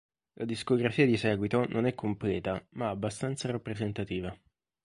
La discografia di seguito non è completa, ma abbastanza rappresentativa.